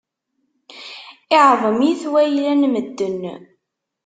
Iɛḍem-it wayla n medden.